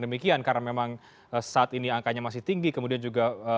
demikian karena memang saat ini angkanya masih tinggi kemudian juga